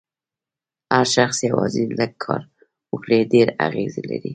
هر شخص یوازې لږ کار وکړي ډېر اغېز لري.